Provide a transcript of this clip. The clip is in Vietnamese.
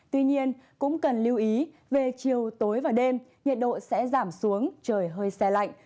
tuy nhiên cũng cần lưu ý về chiều tối và đêm nhiệt độ sẽ giảm xuống trời hơi xe lạnh